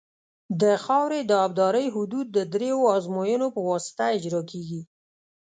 د خاورې د ابدارۍ حدود د دریو ازموینو په واسطه اجرا کیږي